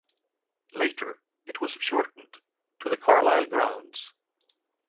Later it was shortened to the Carlisle Grounds.